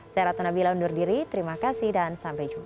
saya ratu nabila undur diri terima kasih dan sampai jumpa